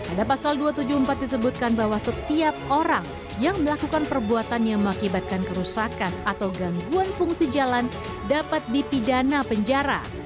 ada pasal dua ratus tujuh puluh empat disebutkan bahwa setiap orang yang melakukan perbuatan yang mengakibatkan kerusakan atau gangguan fungsi jalan dapat dipidana penjara